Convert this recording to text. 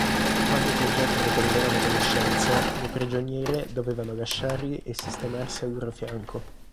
Quando i soggetti riprendevano conoscenza, le prigioniere dovevano lasciarli e sistemarsi al loro fianco.